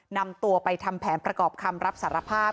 นำตัวไปทำแผนประกอบคำรับสารภาพ